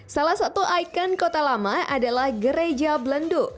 salah satu ikon kota lama adalah gereja belendo